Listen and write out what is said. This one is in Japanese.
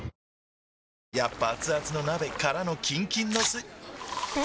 やっぱアツアツの鍋からのキンキンのスん？